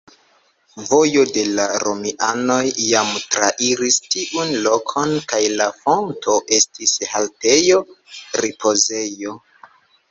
Vojo de la romianoj jam trairis tiun lokon kaj la fonto estis haltejo, ripozejo.